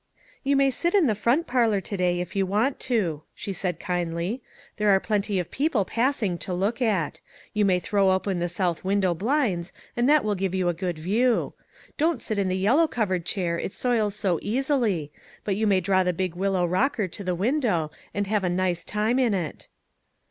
" You may sit in the front parlor to day, if you want to," she said, kindly. " There are plenty of people passing to look at. You may 3 1 MAG AND MARGARET throw open the south window blinds, and that will give you a good view. Don't sit in the yellow covered chair, it soils so easily ; but you may draw the big willow rocker to the window, and have a nice time in it."